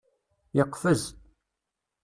Yeqfez.